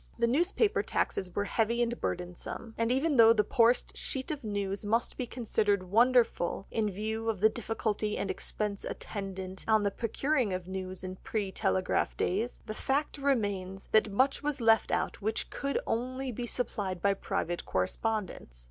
The newspaper taxes were heavy and burdensome, and though even the poorest sheet of news must be considered wonderful in view of the difficulty and expense attendant on the procuring of news in pre telegraph days, the fact remains that much was left out which could only be supplied by private correspondence.